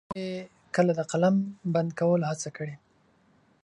نه مو يې کله د قلم بند کولو هڅه کړې.